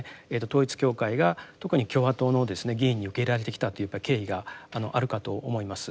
統一教会が特に共和党の議員に受け入れられてきたという経緯があるかと思います。